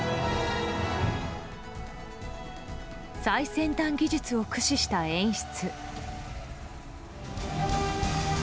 最先端技術を駆使した演出。